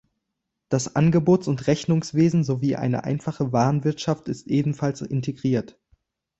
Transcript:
Das Angebots- und Rechnungswesen sowie eine einfache Warenwirtschaft ist ebenfalls integriert.